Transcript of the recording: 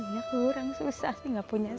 ya kurang susah sih gak punya ayah